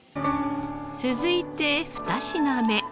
続いて２品目。